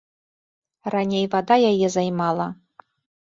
Раней вада яе займала.